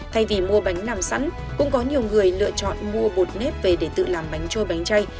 thay vì mua bánh làm sẵn cũng có nhiều người lựa chọn mua bột nếp về để tự làm bánh trôi bánh chay